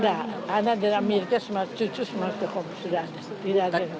nggak anak dan anak miliknya semua cucu semua kekom sudah ada